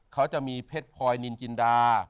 เขาจะมีเพชรพลอยนินจินดา